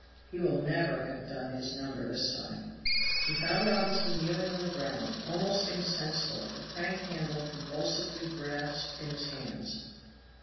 "He will never have done his number this time." He found Robinson kneeling on the ground, almost insensible, the crank handle convulsively grasped in his hands.